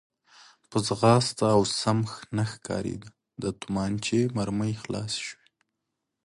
په ځغاسته و او سم نه ښکارېده، د تومانچې مرمۍ خلاصې شوې.